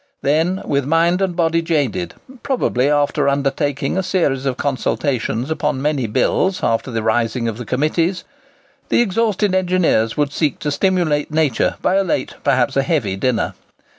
Then, with mind and body jaded—probably after undergoing a series of consultations upon many bills after the rising of the committees—the exhausted engineers would seek to stimulate nature by a late, perhaps a heavy, dinner.